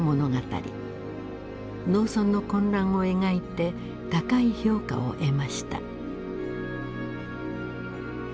農村の混乱を描いて高い評価を得ました。